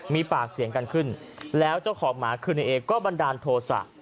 มีปากเสียงกันขึ้นแล้วเจ้าของหมาคือในเอก็บันดาลโทษะ